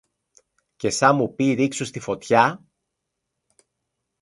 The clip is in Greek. Και σα μου πει ρίξου στη φωτιά